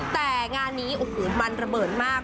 แต่งานนี้โอ้โหมันระเบิดมาก